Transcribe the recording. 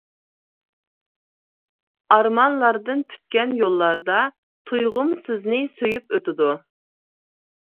ئارمانلاردىن پۈتكەن يوللاردا، تۇيغۇم سىزنى سۆيۈپ ئۆتىدۇ.